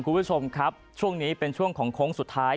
คุณผู้ชมครับช่วงนี้เป็นช่วงของโค้งสุดท้าย